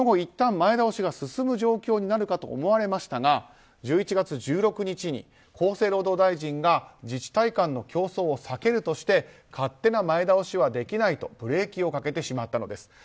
その後、いったん前倒しが進む状況になるかと思われましたが１１月１６日に厚生労働大臣が自治体間の競争を避けるとして勝手な前倒しはできないとブレーキをかけてしまったのです。